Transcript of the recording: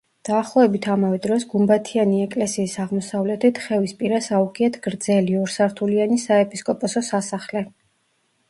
დაახლოებით ამავე დროს, გუმბათიანი ეკლესიის აღმოსავლეთით, ხევის პირას აუგიათ გრძელი, ორსართულიანი საეპისკოპოსო სასახლე.